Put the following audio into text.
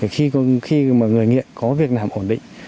khi mà người nghiện có việc làm ổn định